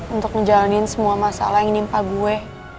untuk ngejalanin semua masalah yang nimpa gue